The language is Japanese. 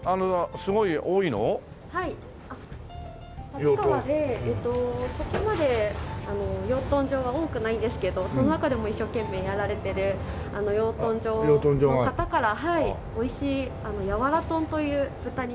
立川でそこまで養豚場は多くないんですけどその中でも一生懸命やられてる養豚場の方から美味しい「柔豚」という豚肉。